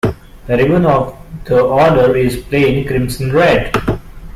The ribbon of the Order is plain crimson red.